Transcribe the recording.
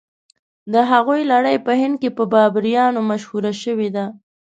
د هغوی لړۍ په هند کې په بابریانو مشهوره شوې ده.